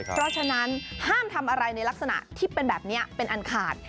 เพราะฉะนั้นห้ามทำอะไรในลักษณะที่เป็นแบบนี้เป็นอันขาด